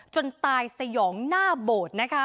จนตายสยองหน้าโบสถ์